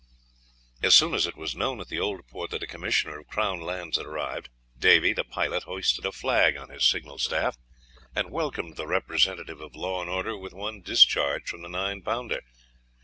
As soon as it was known at the Old Port that a Commissioner of Crown Lands had arrived, Davy, the pilot, hoisted a flag on his signal staff, and welcomed the representative of law and order with one discharge from the nine pounder.